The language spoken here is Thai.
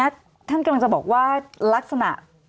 สวัสดีครับทุกคน